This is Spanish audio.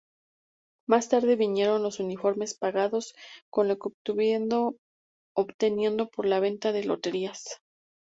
Más tarde vinieron los uniformes pagados con lo obtenido por la venta de loterías.